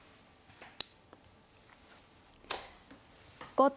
後手